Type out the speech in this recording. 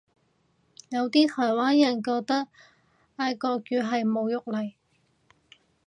有啲台灣人覺得嗌國語係侮辱嚟